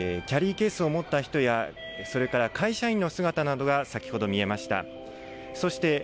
キャリーケースを持った人やそれから会社員の姿などが先ほど見えました。